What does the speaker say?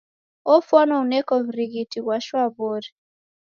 Ofwana uneko w'urighiti ghwa shwaw'ori.